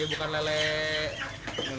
ayah tetap tenang